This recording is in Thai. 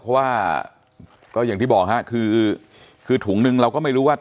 เพราะว่าก็อย่างที่บอกฮะคือถุงนึงเราก็ไม่รู้ว่า